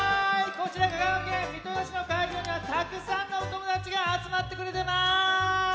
こちら香川県三豊市のかいじょうにはたくさんのおともだちがあつまってくれてます！